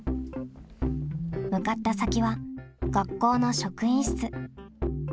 向かった先は学校の職員室。